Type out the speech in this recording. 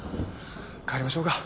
帰りましょうか。